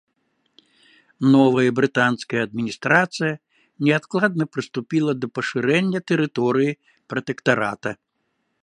Новая брытанская адміністрацыя неадкладна прыступіла да пашырэння тэрыторыі пратэктарата.